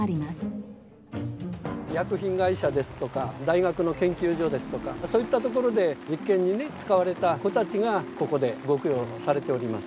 薬品会社ですとか大学の研究所ですとかそういった所で実験に使われた子たちがここでご供養されております。